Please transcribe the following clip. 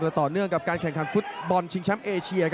ต่อเนื่องกับการแข่งขันฟุตบอลชิงแชมป์เอเชีย